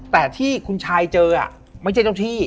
แต่ที่คุณชายเจอไม่ใช่เจ้าที่